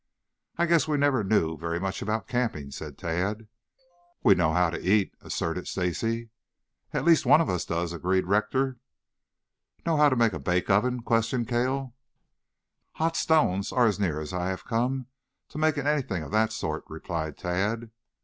"I guess we never knew very much about camping," said Tad. "We know how to eat," asserted Stacy. "At least one of us does," agreed Rector. "Know how to make a bake oven?" questioned Cale. "Hot stones are as near as I have come to making anything of that sort," replied Tad.